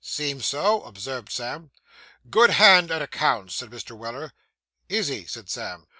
'Seems so,' observed Sam. 'Good hand at accounts,' said Mr. Weller. 'Is he?' said Sam.